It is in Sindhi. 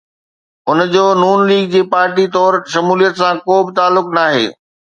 ان جو نون ليگ جي پارٽي طور شموليت سان ڪو به تعلق ناهي.